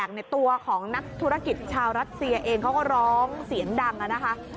ในตัวของนักธุรกิจชาวรัสเซียเองเขาก็ร้องเสียงดังนะคะ